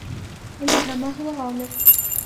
وَمِنْهَا مَا هُوَ غَامِضٌ